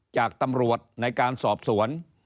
จากตำรวจในการสอบสวน